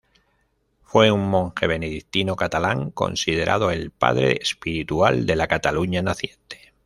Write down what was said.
Fue un monje benedictino catalán, considerado el padre espiritual de la Cataluña naciente.